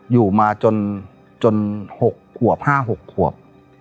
อยู่มาจน๕๖ขวบ